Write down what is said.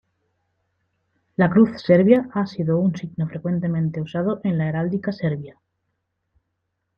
La cruz de Serbia ha sido un signo frecuentemente usado en la heráldica serbia.